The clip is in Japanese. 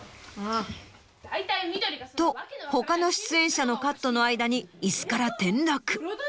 ああ。と他の出演者のカットの間にイスから転落。